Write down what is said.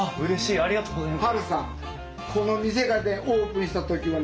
ありがとうございます。